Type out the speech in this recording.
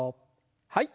はい。